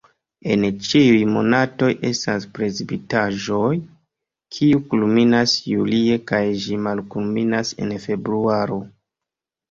En ĉiuj monatoj estas precipitaĵoj, kiu kulminas julie kaj ĝi malkulminas en februaro.